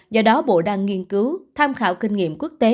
do đó bộ đang nghiên cứu tham khảo kinh nghiệm quốc tế